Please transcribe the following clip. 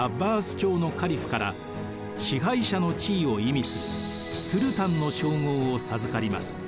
朝のカリフから支配者の地位を意味するスルタンの称号を授かります。